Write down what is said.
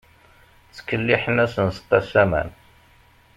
Ttkelliḥen-asen s “qassaman”.